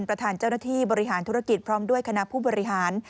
ประธานเจ้าหน้าที่บริหารธุรกิจพร้อมด้วยคณะผู้บริหาร